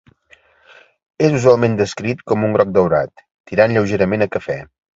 És usualment descrit com un groc daurat, tirant lleugerament a cafè.